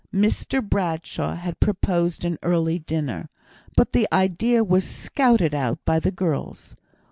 Mrs Bradshaw had proposed an early dinner, but the idea was scouted at by the girls.